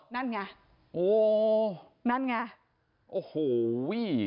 นั่นไง